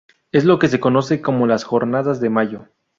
Es lo que se conoce como las Jornadas de Mayo.